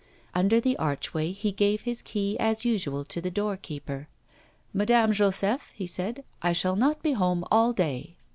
Under the archway, he gave his key as usual to the doorkeeper. 'Madame Joseph,' he said, 'I shall not be home all day.